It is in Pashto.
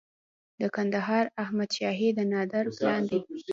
د کندهار احمد شاهي د نادر پلان دی